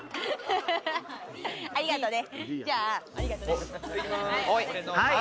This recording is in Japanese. ありがとね！